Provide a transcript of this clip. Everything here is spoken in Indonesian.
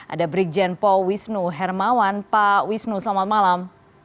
ada brigjen paul wisnu hermawan pak wisnu selamat malam